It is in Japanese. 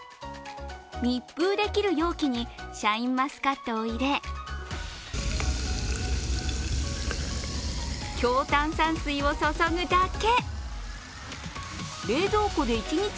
密封できる容器にシャインマスカットを入れ強炭酸水を注ぐだけ。